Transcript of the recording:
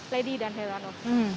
lady dan herano